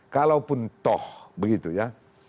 kalaupun toh begitu ya